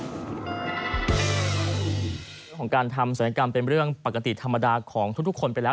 เรื่องของการทำศัลยกรรมเป็นเรื่องปกติธรรมดาของทุกคนไปแล้ว